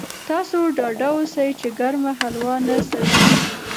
تاسو ډاډه اوسئ چې ګرمه هلوا نه سړېږي.